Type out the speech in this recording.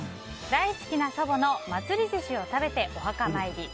大好きな祖母の祭り寿司食べてお墓参りへ。